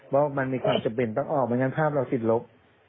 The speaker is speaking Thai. เพราะมันมีความจบเปลี่ยนปั๊กออกไม่งั้นภาพเราสิทธิ์ลบ